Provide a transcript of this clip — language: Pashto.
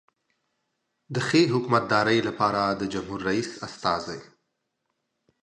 د ښې حکومتدارۍ لپاره د جمهور رئیس استازی.